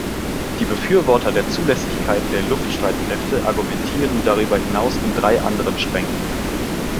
Die Befürworter der Zulässigkeit der Luftstreitkräfte argumentieren darüber hinaus in drei anderen Strängen.